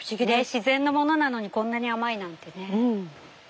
自然のものなのにこんなに甘いなんてね。